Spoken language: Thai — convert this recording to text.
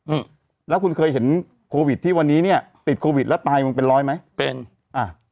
อืมแล้วคุณเคยเห็นโควิดที่วันนี้เนี้ยติดโควิดแล้วตายมึงเป็นร้อยไหมเป็นอ่า